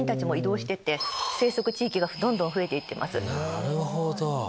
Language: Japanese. なるほど。